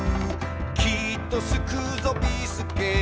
「きっと救うぞ、ビーすけ」